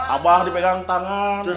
abah dipegang tangan